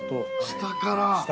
下から。